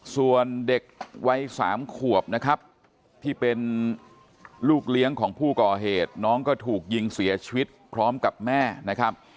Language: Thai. ส่วนเด็กวัย๓ขวบนะครับที่เป็นลูกเลี้ยงของผู้ก่อเหตุน้องก็ถูกยิงเสียชีวิตพร้อมกับแม่นะครับ